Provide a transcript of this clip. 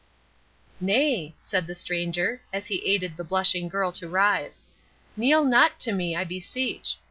"Nay," said the stranger, as he aided the blushing girl to rise, "kneel not to me, I beseech.